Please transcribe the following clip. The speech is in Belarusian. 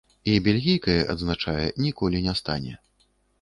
І бельгійкай, адзначае, ніколі не стане.